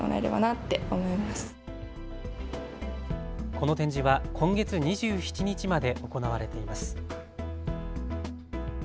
この展示は今月２７日まで行われています。